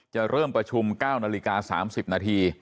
จะเริ่มประชุม๙น๓๐น